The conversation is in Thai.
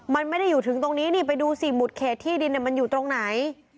มันไม่ได้อยู่ถึงตรงนี้นี่ไปดูสิหมุดเขตที่ดินมันอยู่ตรงไหน